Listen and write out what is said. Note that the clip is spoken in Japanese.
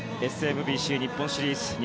ＳＭＢＣ日本シリーズ２０２２